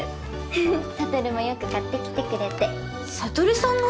フフ悟もよく買ってきてくれて。